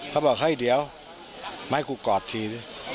เขาบอกเฮ้ยเดี๋ยวมาให้กูกอดที